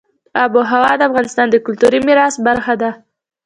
آب وهوا د افغانستان د کلتوري میراث برخه ده.